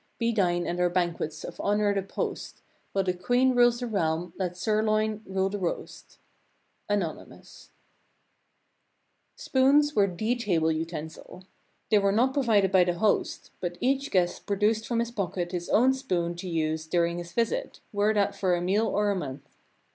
Be thine at our banquets of honor the post ; While the Queen rules the realm, let Sir Loin rule the roast." — Anonymous. Spoons Spoons were the table utensil. They were not pro vided by the host, but each guest produced from his pocket his own spoon to use during his visit, were that for a meal or a month.